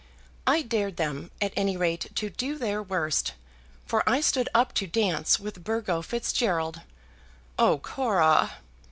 I dared them, at any rate, to do their worst, for I stood up to dance with Burgo Fitzgerald." "Oh, Cora!"